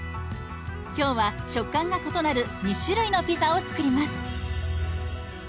今日は食感が異なる２種類のピザを作ります。